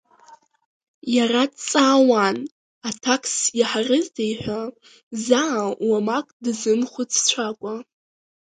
Иара дҵаауан, аҭакс иаҳарызеи ҳәа заа уамак дазымхәыццәакәа.